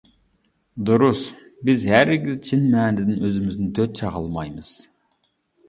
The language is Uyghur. دۇرۇس، بىز ھەرگىز چىن مەنىدىن ئۆزىمىزنى دۆت چاغلىمايمىز.